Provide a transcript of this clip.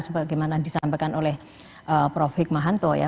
seperti yang disampaikan oleh prof hikmahanto ya